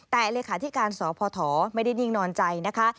แต่เหลือคาที่การสภไม่ได้นิ่งนอนใจ